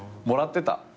もらってた。